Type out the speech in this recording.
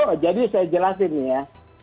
oh jadi saya jelasin nih ya